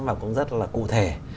và cũng rất là cụ thể